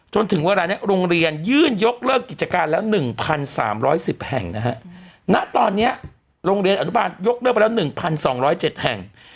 จนถึงเวลานี้โรงเรียนยื่นยกเลิกกิจการแล้ว๑๓๑๐แห่งนะฮะณตอนนี้โรงเรียนอนุบาลยกเลิกไปแล้ว๑๒๐๗แห่ง